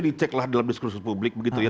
diceklah dalam diskursus publik begitu ya